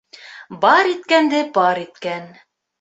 Бар иткәнде пар иткән.